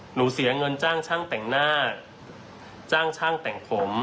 เสียเงินจ้างช่างแต่งหน้าจ้างช่างแต่งผม